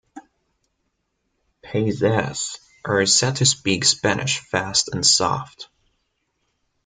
Paisas are said to speak Spanish fast and soft.